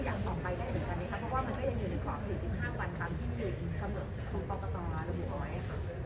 เพราะว่ามันก็ยังอยู่ในขวาง๔๕วันตามที่มี